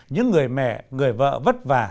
những người mẹ người vợ vất vả